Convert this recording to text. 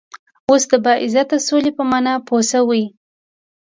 وس د باعزته سولی په معنا پوهه شوئ